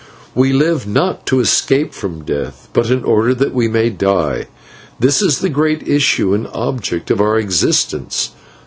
We live not to escape from death, but in order that we may die; this is the great issue and object of our existence.